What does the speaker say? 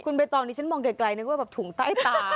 คุณไปตอนนี้ฉันมองไกลนึกว่าถุงใต้ตา